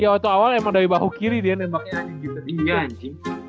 iya waktu awal emang dari bahu kiri dia nembaknya anjing gitu